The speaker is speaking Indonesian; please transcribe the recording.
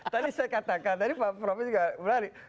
tadi saya katakan tadi pak profesor juga berani